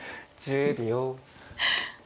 １０秒。